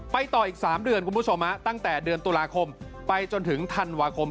ต่ออีก๓เดือนคุณผู้ชมตั้งแต่เดือนตุลาคมไปจนถึงธันวาคม